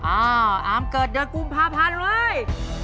อ้าวอามเกิดเดือนกุมภาพันธ์เลย